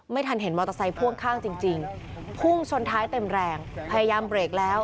ไม่ทันเห็นมอเตอร์ไซค์พ่วงข้างจริงพุ่งชนท้ายเต็มแรงพยายามเบรกแล้ว